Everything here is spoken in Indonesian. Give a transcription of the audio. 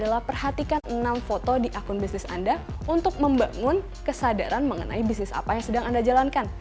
dan yang terakhir tips yang tak kalah pentingnya adalah perhatikan enam foto di akun bisnis anda untuk membangun kesadaran mengenai bisnis apa yang sedang anda jalani